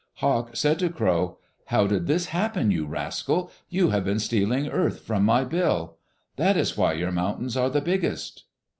Hawk said to Crow, "How did this happen, you rascal? You have been stealing earth from my bill. That is why your mountains are the biggest."